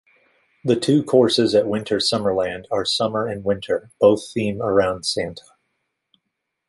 The two courses at Winter Summerland are Summer and Winter both theme around Santa.